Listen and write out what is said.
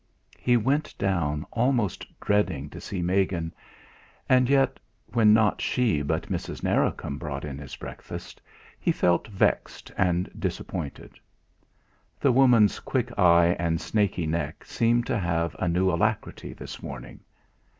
He went down almost dreading to see Megan; and yet, when not she but Mrs. Narracombe brought in his breakfast, he felt vexed and disappointed. The woman's quick eye and snaky neck seemed to have a new alacrity this morning.